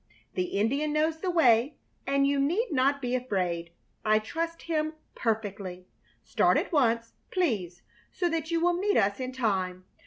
The Indian knows the way, and you need not be afraid. I trust him perfectly. Start at once, please, so that you will meet us in time.